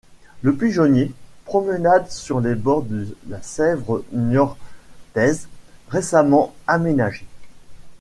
Le pigeonnier, promenade sur les bords de la Sèvre niortaise récemment aménagée.